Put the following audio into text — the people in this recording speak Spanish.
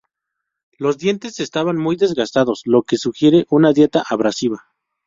Los dientes estaban muy desgastados, lo que sugiere una dieta abrasiva.